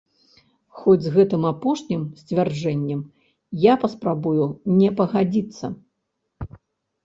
Хоць з гэтым, апошнім, сцвярджэннем я паспрабую не пагадзіцца.